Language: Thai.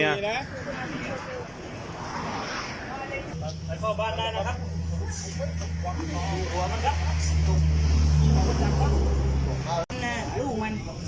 สวัสดีครับคุณแฟม